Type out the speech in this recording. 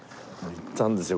行ったんですよ